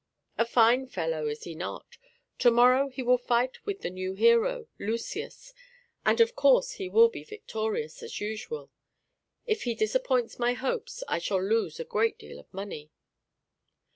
A fine fellow, is he not? To morrow he will fight with the new hero, Lucius And, of course, he will be victorious, as usual. If he disappoints my hopes, I shall lose a great deal of money."